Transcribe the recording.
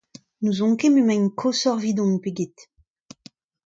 N'ouzon ket m'emaint koshoc'h evidon pe get.